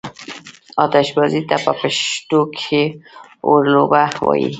آتشبازي ته په پښتو کې اورلوبه وايي.